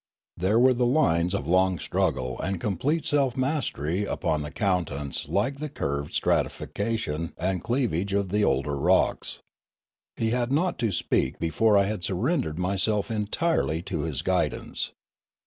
There were the lines of long struggle and complete self mastery upon the countenance like the curved stratifi cation and cleavage of the older rocks. He had not to speak before I had surrendered myself entirely to his guidance.